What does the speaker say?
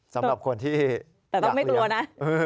สำหรับคนที่อยากเลี้ยงแต่ต้องไม่กลัวนะ